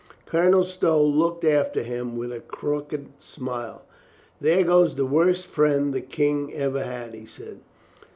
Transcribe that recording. Colonel Stow looked after him with a crooked smile. "There goes the worst friend the King ever had," he said.